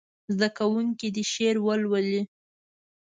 زده کوونکي دې شعر ولولي.